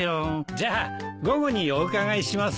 じゃあ午後にお伺いします。